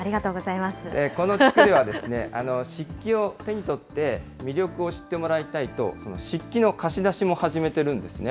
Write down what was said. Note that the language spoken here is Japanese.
この地区では、漆器を手に取って、魅力を知ってもらいたいと、漆器の貸し出しも始めてるんですね。